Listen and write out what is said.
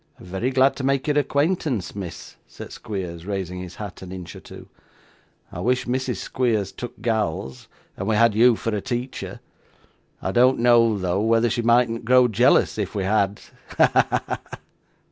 'Very glad to make your acquaintance, miss,' said Squeers, raising his hat an inch or two. 'I wish Mrs. Squeers took gals, and we had you for a teacher. I don't know, though, whether she mightn't grow jealous if we had. Ha! ha! ha!